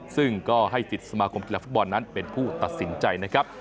ซึ่งก็ให้สิทธิ์สมาคมกีฬาฟุตบอลนั้นเป็นผู้ตัดสินใจนะครับ